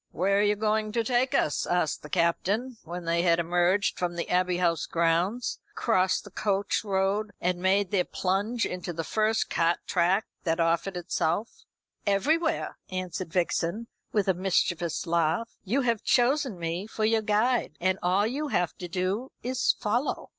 "Where are you going to take us?" asked the Captain, when they had emerged from the Abbey House grounds, crossed the coach road, and made their plunge into the first cart track that offered itself. "Everywhere," answered Vixen, with a mischievous laugh. "You have chosen me for your guide, and all you have to do is to follow."